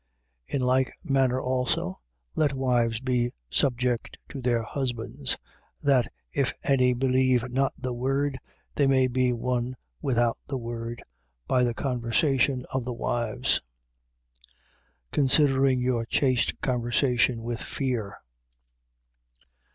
3:1. In like manner also, let wives be subject to their husbands: that, if any believe not the word, they may be won without the word, by the conversation of the wives, 3:2. Considering your chaste conversation with fear.